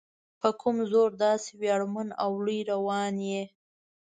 په کوم زور داسې ویاړمن او لوی روان یې؟